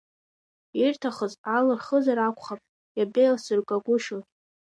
Ирҭахыз алырхызар акәхап, иабеилсыргагәышьоз…